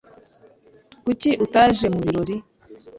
Kuki utaje mu kirori?